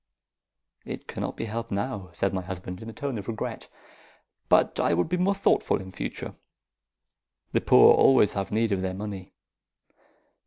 "It cannot be helped now," said my husband, in a tone of regret. "But I would be more thoughtful in future. The poor always have need of their money.